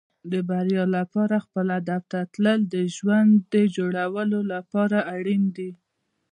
د بریا لپاره خپل هدف ته تلل د ژوند د جوړولو لپاره اړین دي.